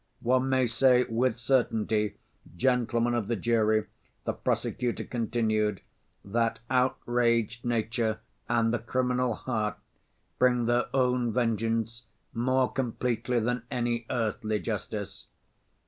"One may say with certainty, gentlemen of the jury," the prosecutor continued, "that outraged nature and the criminal heart bring their own vengeance more completely than any earthly justice.